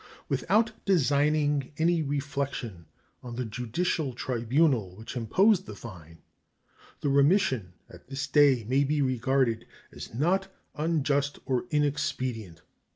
Without designing any reflection on the judicial tribunal which imposed the fine, the remission at this day may be regarded as not unjust or inexpedient.